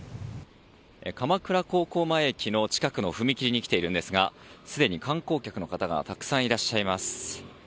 鎌倉高校前駅の近くの踏切に来ているんですがすでに、観光客の方がたくさんいらっしゃいます。